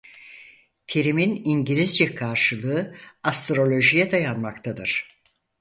Terimin İngilizce karşılığı astrolojiye dayanmaktadır.